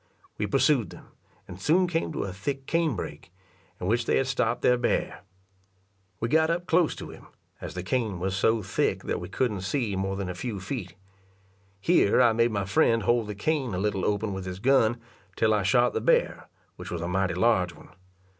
We pursued them, and soon came to a thick cane brake, in which they had stop'd their bear. We got up close to him, as the cane was so thick that we couldn't see more than a few feet. Here I made my friend hold the cane a little open with his gun till I shot the bear, which was a mighty large one.